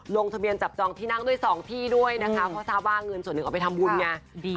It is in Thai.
ลงทะเบียนจับจองที่นั่งด้วยสองที่ด้วยนะคะเพราะทราบว่าเงินส่วนหนึ่งเอาไปทำบุญไงดี